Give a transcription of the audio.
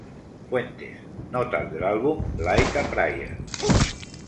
Fuentes: notas del álbum "Like a Prayer".